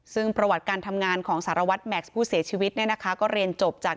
ซึ่งประวัติการทำงานของสารวัตรแม็กซ์ผู้เสียชีวิตเนี่ยนะคะก็เรียนจบจาก